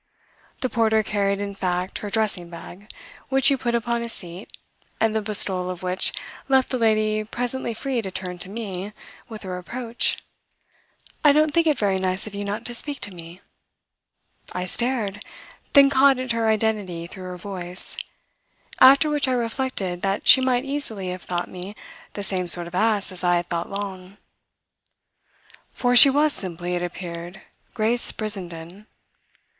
The porter carried in fact her dressing bag, which he put upon a seat and the bestowal of which left the lady presently free to turn to me with a reproach: "I don't think it very nice of you not to speak to me." I stared, then caught at her identity through her voice; after which I reflected that she might easily have thought me the same sort of ass as I had thought Long. For she was simply, it appeared, Grace Brissenden.